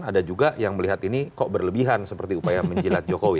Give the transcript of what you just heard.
ada juga yang melihat ini kok berlebihan seperti upaya menjilat jokowi